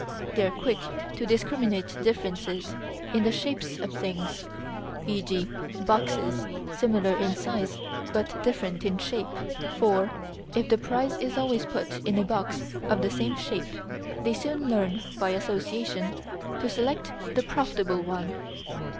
They are quick to discriminate differences in the shapes of things, e.g. boxes similar in size but different in shape, for if the prize is always put in a box of the same shape they soon learn (by association) to select the profitable one.